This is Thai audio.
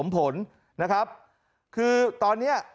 ครับคือตอนเนี้ย